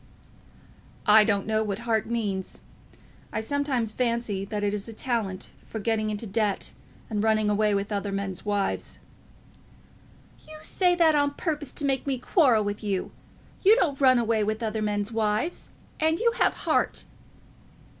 "I don't know what heart means. I sometimes fancy that it is a talent for getting into debt, and running away with other men's wives." "You say that on purpose to make me quarrel with you. You don't run away with other men's wives, and you have heart."